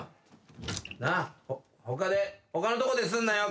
なあ他で他のとこですんなよ